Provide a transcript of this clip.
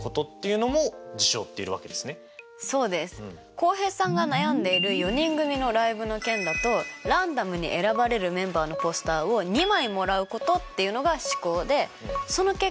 浩平さんが悩んでいる４人組のライブの件だとランダムに選ばれるメンバーのポスターを２枚もらうことっていうのが試行でその結果